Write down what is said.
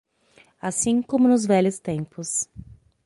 Assim como nos velhos tempos.